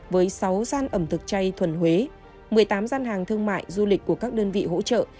với sáu gian ẩm thực chay thuần huế một mươi tám gian hàng thương mại du lịch của các đơn vị hỗ trợ